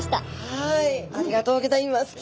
はいありがとうギョざいます。